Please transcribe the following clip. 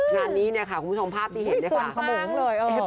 งานนี้คุณผู้ชมภาพที่เห็นด้วยค่ะชวนขมูกเลยเออ